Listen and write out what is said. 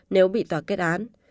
nếu bị tòa kết án